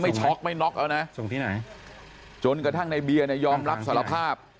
ไม่ช็อกไม่น็อกเอานะจนกระทั่งในเบียเนี่ยยอมรับสารภาพ